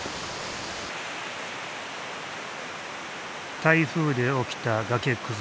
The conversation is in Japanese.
台風で起きた崖崩れ。